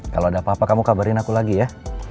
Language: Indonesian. kalau ada apa apa kamu kabarin aku lagi ya